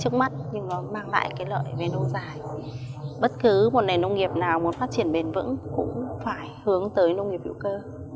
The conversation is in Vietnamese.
bất cứ một nền nông nghiệp nào muốn phát triển bền vững cũng phải hướng tới nông nghiệp hữu cơ